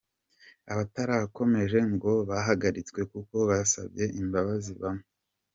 Abatararukomeje ngo bahagaritswe kuko basabye imbabazi bamwe.